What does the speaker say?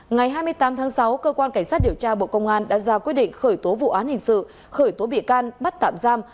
ngày hai mươi tám tháng sáu cơ quan cảnh sát điều tra bộ công an đã ra quyết định khởi tố vụ án hình sự khởi tố bị can bắt tạm giam